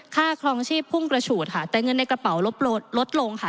ครองชีพพุ่งกระฉูดค่ะแต่เงินในกระเป๋าลดลดลงค่ะ